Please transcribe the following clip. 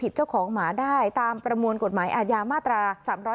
เจ้าของหมาได้ตามประมวลกฎหมายอาญามาตรา๓๒